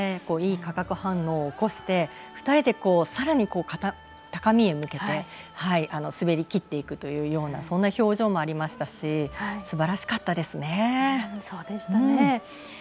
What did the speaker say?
いい化学反応を起こして２人でさらに高みへ向けて滑り切っていくというようなそんな表情もありましたしすばらしかったですね。